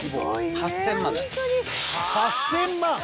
「８０００万！？」